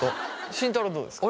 慎太郎はどうですか？